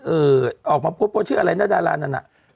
เออออกมาโพสต์โพสต์ชื่ออะไรนะดารานั่น